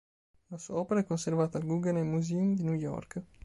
Una sua opera è conservata al Guggenheim Museum di New York.